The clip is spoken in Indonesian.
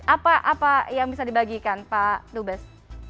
apa yang bisa dibagikan pak dubes